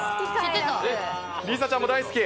梨紗ちゃんも大好き？